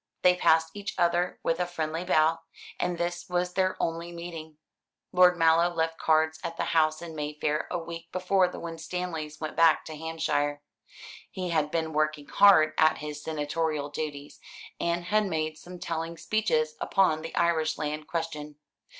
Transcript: They passed each other with a friendly bow, and this was their only meeting. Lord Mallow left cards at the house in Mayfair a week before the Winstanleys went back to Hampshire. He had been working hard at his senatorial duties, and had made some telling speeches upon the Irish land question.